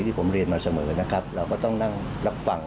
ที่ผมเรียนมาเสมอนะครับเราก็ต้องนั่งรับฟัง